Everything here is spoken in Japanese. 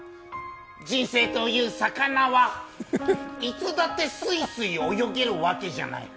人生という魚はいつだってスイスイ泳げるわけじゃない。